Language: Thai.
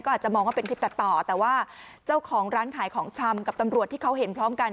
อาจจะมองว่าเป็นคลิปตัดต่อแต่ว่าเจ้าของร้านขายของชำกับตำรวจที่เขาเห็นพร้อมกัน